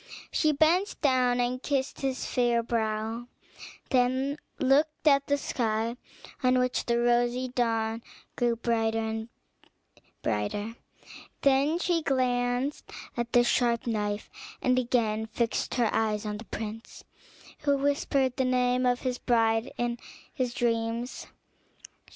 She bent down and kissed his fair brow, then looked at the sky on which the rosy dawn grew brighter and brighter; then she glanced at the sharp knife, and again fixed her eyes on the prince, who whispered the name of his bride in his dreams.